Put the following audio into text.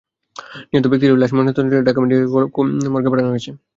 নিহত ব্যক্তিদের লাশ ময়নাতদন্তের জন্য ঢাকা মেডিকেল কলেজ মর্গে পাঠানো হয়েছে।